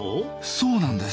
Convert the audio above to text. そうなんです。